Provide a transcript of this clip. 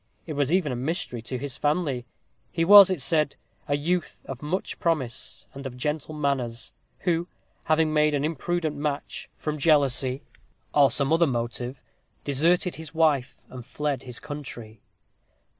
It was even a mystery to his family. He was, it was said, a youth of much promise, and of gentle manners; who, having made an imprudent match, from jealousy, or some other motive, deserted his wife, and fled his country.